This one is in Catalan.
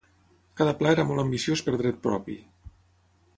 Cada pla era molt ambiciós per dret propi.